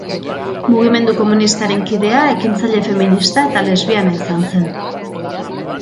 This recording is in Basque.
Mugimendu Komunistaren kidea, ekintzaile feminista eta lesbiana izan zen.